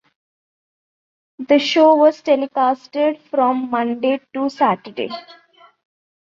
The show was telecasted from Monday to Saturday.